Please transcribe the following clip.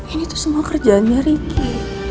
ini tuh semua kerjaannya ricky